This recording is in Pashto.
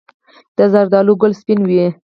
د زردالو ګل سپین وي؟